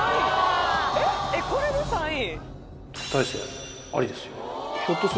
えっこれで３位？